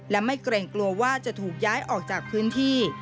และไม่เกรงกลัวว่าจะถูกย้ายออกจากพื้นที่